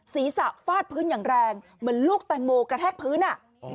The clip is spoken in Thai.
ศีรษะฟาดพื้นอย่างแรงเหมือนลูกแตงโมกระแทกพื้น